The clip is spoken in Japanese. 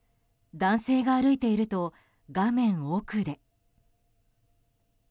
男性が歩いていると画面奥で。